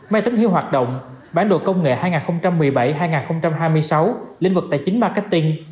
máy tính hiệu hoạt động bản đồ công nghệ hai nghìn một mươi bảy hai nghìn hai mươi sáu lĩnh vực tài chính marketing